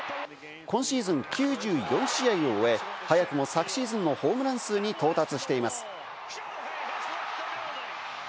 今シーズン９４試合を終え、早くも昨シーズンのホームラン数に到達しています。